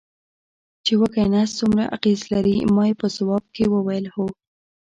چې وږی نس څومره اغېز لري، ما یې په ځواب کې وویل: هو.